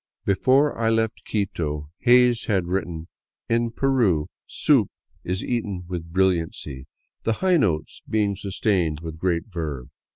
Before I left Quito, Hays had written, " In Peru soup is eaten with brilliancy, the high notes being sustained with great verve."